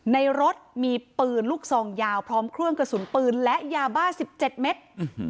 ในรถมีปืนลูกซองยาวพร้อมเครื่องกระสุนปืนและยาบ้า๑๗เมตร